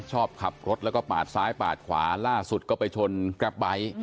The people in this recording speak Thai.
ชอบขับรถแล้วก็ปาดซ้ายปาดขวาล่าสุดก็ไปชนแกรปไบท์